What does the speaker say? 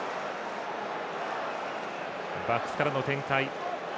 バックスからの展開。